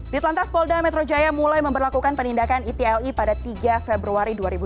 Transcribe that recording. di telantas polda metro jaya mulai memperlakukan penindakan etli pada tiga februari dua ribu dua puluh